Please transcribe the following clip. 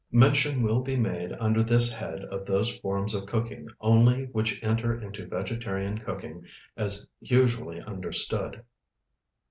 Mention will be made under this head of those forms of cooking only which enter into vegetarian cooking as usually understood.